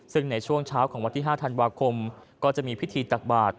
ซึ่งในช่วงเช้าของวันที่๕ธันวาคมก็จะมีพิธีตักบาท